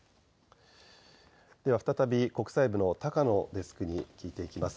では再び国際部の高野デスクに聞いていきます。